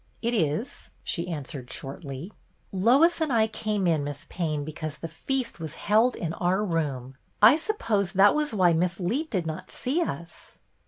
"It is," she answered shortly. " Lois and I came in. Miss Payne, be cause the feast was held in our room. I suppose that was why Miss Leet did not see us."